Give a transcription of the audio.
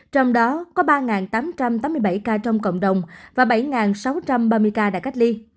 trong đó có ba tám trăm tám mươi bảy ca trong cộng đồng và bảy sáu trăm ba mươi ca đã cách ly